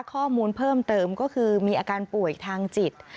ข้อมูลเพิ่มเติมก็คือมีอาการป่วยทางจิต